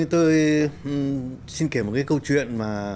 tôi xin kể một câu chuyện